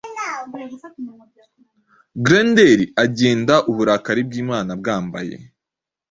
Grendel agendauburakari bwImana bwambaye